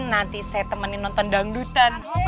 nanti saya temenin nonton dangdutan